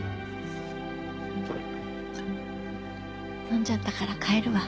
飲んじゃったから帰るわ。